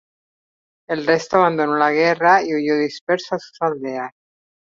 El resto abandonó la guerra y huyó disperso a sus aldeas.